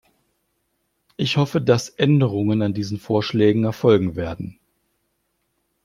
Ich hoffe, dass Änderungen an diesen Vorschlägen erfolgen werden.